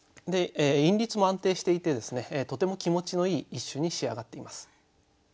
韻律も安定していてですねとても気持ちのいい一首に仕上がっています。